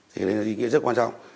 thì đấy là ý nghĩa rất quan trọng